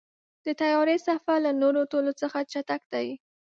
د طیارې سفر له نورو ټولو څخه چټک دی.